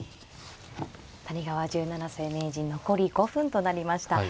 谷川十七世名人残り５分となりました。